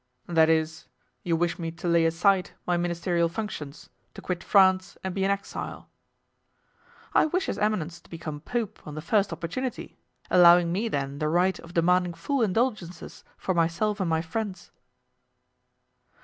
"That is, you wish me to lay aside my ministerial functions, to quit France and be an exile." "I wish his eminence to become pope on the first opportunity, allowing me then the right of demanding full indulgences for myself and my friends."